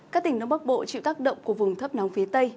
các tỉnh đông bắc bộ chịu tác động của vùng thấp nóng phía tây